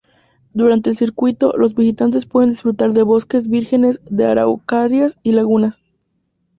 Durante el circuito, los visitantes pueden disfrutar de bosques vírgenes de araucarias y lagunas.